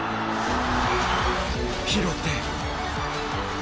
拾って。